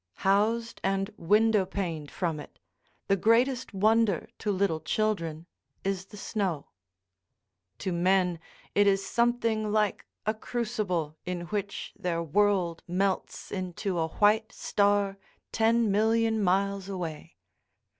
_ Housed and windowpaned from it, the greatest wonder to little children is the snow. To men, it is something like a crucible in which their world melts into a white star ten million miles away.